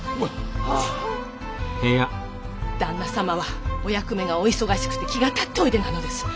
旦那様はお役目がお忙しくて気がたっておいでなのです。